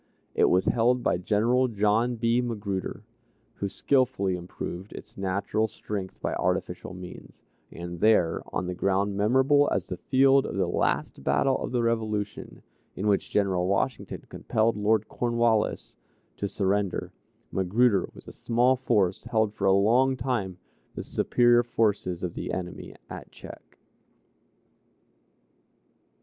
It was held by General John B. Magruder, who skillfully improved its natural strength by artificial means, and there, on the ground memorable as the field of the last battle of the Revolution, in which General Washington compelled Lord Cornwallis to surrender, Magruder, with a small force, held for a long time the superior forces of the enemy in check.